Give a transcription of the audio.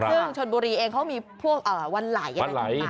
ซึ่งชนบุรีเองเขามีพวกวันไหล่อะไรต่าง